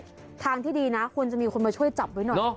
ขนาดแบบนี้ทางที่ดีนะควรจะมีคนมาช่วยจับด้วยหน่อย